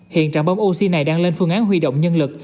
hiện trạng bóng oxy này đang lên phương án huy động nhân lực